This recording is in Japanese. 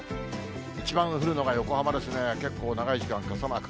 一番降るのが横浜ですね、結構、長い時間傘マーク。